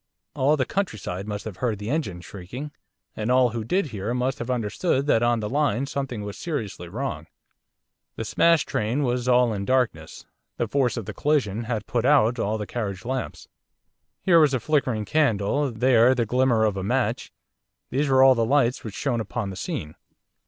All the country side must have heard the engine shrieking, and all who did hear must have understood that on the line something was seriously wrong. The smashed train was all in darkness, the force of the collision had put out all the carriage lamps. Here was a flickering candle, there the glimmer of a match, these were all the lights which shone upon the scene.